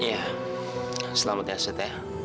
iya selamat ya sat